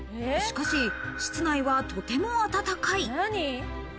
しかし室内はとても暖かい。